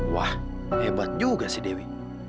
wah hebat juga si dewi